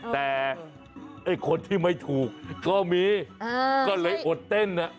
แต่ไอ้คนที่ไม่ถูกก็มีก็เลยอดเต้น